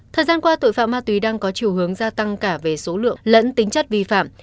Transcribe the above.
thời gian qua tội phạm ma túy đang có chiều hướng gia tăng cả về số lượng lẫn tính chất vi phạm